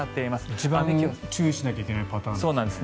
一番注意しなきゃいけないパターンですね。